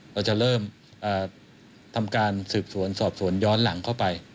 เราจะเริ่มทำการสืบสวนสอบสวนย้อนหลังเข้าไป